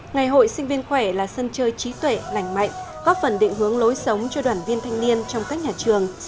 ngày hội sinh viên khỏe là sân chơi trí tuệ lành mạnh góp phần định hướng lối sống cho đoàn viên thanh niên trong các nhà trường